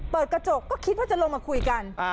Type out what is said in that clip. เปิดกระจกก็คิดว่าจะลงมาคุยกัน